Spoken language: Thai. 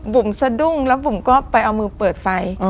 บุ๋มสะดุ้งแล้วบุ๋มก็ไปเอามือเปิดไฟ